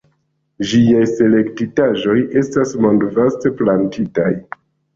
Ĝiaj selektitaĵoj estas mondvaste plantitaj.